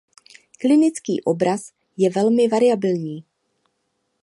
Klinický obraz je velmi variabilní.